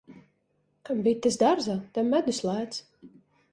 Kam bites dārzā, tam medus lēts.